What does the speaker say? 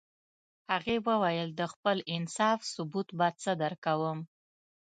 هغې ویل د خپل انصاف ثبوت به څه درکوم